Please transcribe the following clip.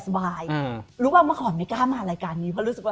รู้ป่ะเมื่อก่อนไม่กล้ามารายการนี้เพราะรู้สึกว่า